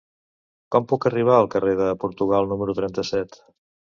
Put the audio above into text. Com puc arribar al carrer de Portugal número trenta-set?